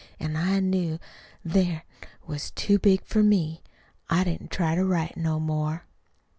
An' I knew then't was too big for me. I didn't try to write no more."